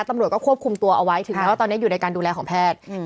ตำรวจก็ควบคุมตัวเอาไว้ถึงแม้ว่าตอนนี้อยู่ในการดูแลของแพทย์